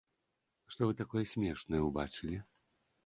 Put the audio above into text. Што вы такое смешнае ўбачылі?